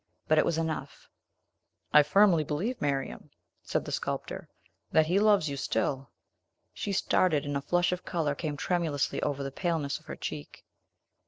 But it was enough." "I firmly believe, Miriam," said the sculptor, "that he loves you still." She started, and a flush of color came tremulously over the paleness of her cheek.